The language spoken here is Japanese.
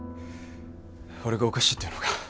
俺がおかしいって言うのか。